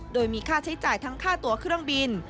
โดยมีค่าใช้จ่ายทั้งค่าตัวเครื่องบิน